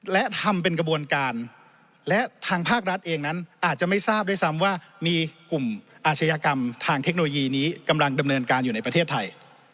และทำเป็นกระบวนการและทางภาครัฐเองนั้นอาจจะไม่ทราบด้วยซ้ำว่ามีกลุ่มอาชญากรรมทางเทคโนโลยีนี้กำลังดำเนินการอยู่ในประเทศไทย